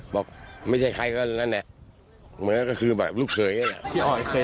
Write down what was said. บอกไม่ใช่ใครก็นั่นแหนะเมื่อก็คือแบบรูปเคยอย่างน้อย